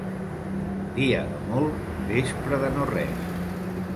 Dia de molt, vespra de no res.